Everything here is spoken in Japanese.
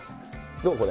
どうこれ？